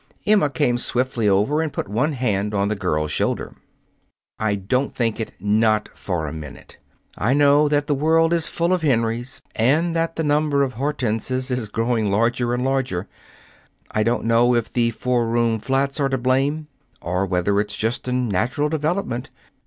Emma came swiftly over and put one hand on the girl's shoulder. "I don't think it. Not for a minute. I know that the world is full of Henrys, and that the number of Hortenses is growing larger and larger. I don't know if the four room flats are to blame, or whether it's just a natural development.